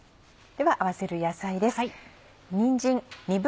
では合わせる野菜です。